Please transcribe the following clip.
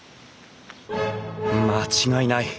間違いない。